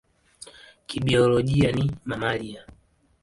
Kibiolojia ni mamalia.